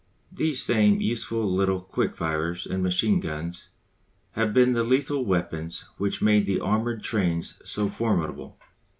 These same useful little quick firers and machine guns have been the lethal weapons which made the armoured trains so formidable.